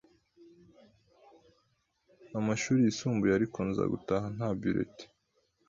’amashuri yisumbuye ariko nza gutaha nta bulletin